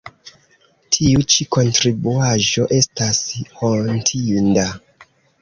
Tiu ĉi kontribuaĵo estas hontinda.